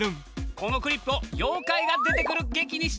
このクリップを妖怪が出てくる劇にしちゃうぞ！